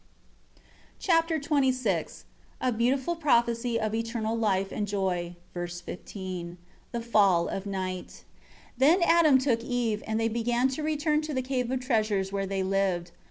Chapter XXVI A beautiful prophecy of eternal life and joy (v. 15). The fall of night. 1 Then Adam took Eve, and they began to return to the Cave of Treasures where they lived.